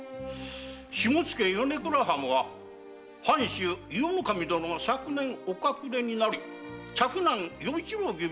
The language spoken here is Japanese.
下野・米倉藩は藩主・伊予守殿が昨年お隠れになり嫡男・与一郎君が跡目を継いでおられまする。